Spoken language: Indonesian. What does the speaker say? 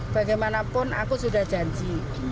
bagaimanapun aku sudah janji